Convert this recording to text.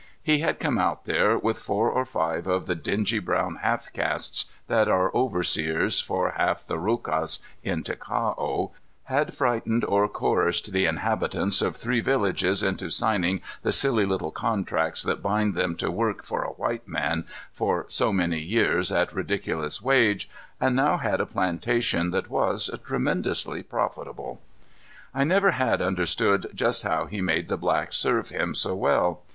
He had come out there with four or five of the dingy brown half castes that are overseers for half the rocas in Ticao, had frightened or coerced the inhabitants of three villages into signing the silly little contracts that bind them to work for a white man for so many years at ridiculous wage, and now had a plantation that was tremendously profitable. I never had understood just how he made the blacks serve him so well.